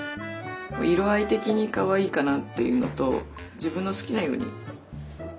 色合い的にかわいいかなっていうのと自分の好きなように。